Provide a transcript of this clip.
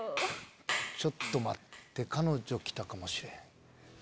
ちょっと待って彼女来たかもしれん。